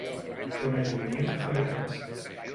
Quan és juvenil fa grans.